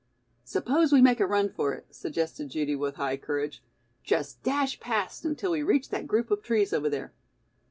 "Suppose we make a run for it," suggested Judy with high courage. "Just dash past until we reach that group of trees over there."